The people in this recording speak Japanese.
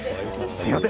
すみません。